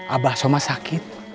abah soma sakit